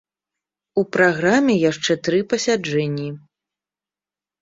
У праграме яшчэ тры пасяджэнні.